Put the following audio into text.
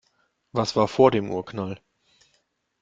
Was war vor dem Urknall?